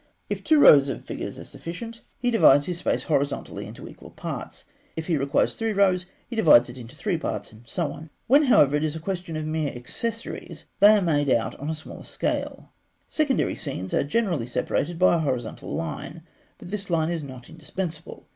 If two rows of figures are sufficient, he divides his space horizontally into equal parts; if he requires three rows, he divides it into three parts; and so on. When, however, it is a question of mere accessories, they are made out upon a smaller scale. Secondary scenes are generally separated by a horizontal line, but this line is not indispensable.